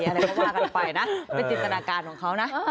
อะไรก็ว่ากันไปนะเป็นจินตนาการของเขานะ